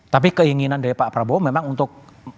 tapi keinginan dari pak prabowo memang untuk